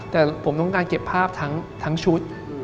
แต่ผมต้องการเก็บภาพทั้งชุด